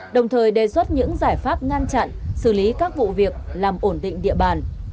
đồng thời đề xuất những giải pháp ngăn chặn xử lý các vụ việc làm ổn định địa bàn